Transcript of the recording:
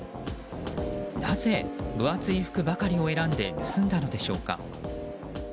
なぜ、分厚い服ばかりを選んで盗んだのでしょうか。